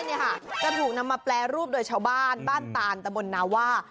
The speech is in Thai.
จะถูกนำมาแปลรูปโดยชาวบ้านบ้านตานตะบลนาว่า